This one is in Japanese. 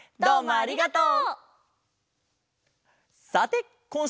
ありがとう！